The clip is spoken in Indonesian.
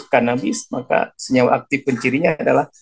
kanabis maka senyawa aktif pencirinya adalah